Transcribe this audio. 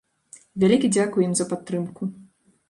Вялікі дзякуй ім за падтрымку.